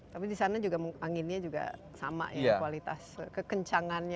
tapi di sana juga anginnya juga sama ya kualitas kekencangannya